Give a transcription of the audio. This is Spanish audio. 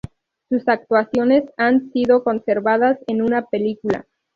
Sus actuaciones han sido conservadas en una película.